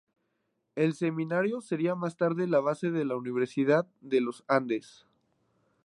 El Seminario sería más tarde, la base de la Universidad de los Andes.